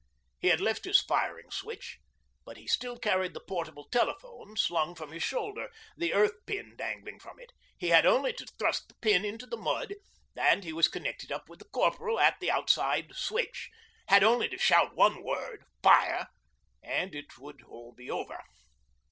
He had left his firing switch, but he still carried the portable telephone slung from his shoulder, the earth pin dangling from it. He had only to thrust the pin into the mud and he was connected up with the Corporal at the outside switch, had only to shout one word, 'Fire!' and it would all be over.